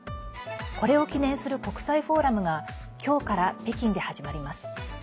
これを記念する国際フォーラムが今日から北京で始まります。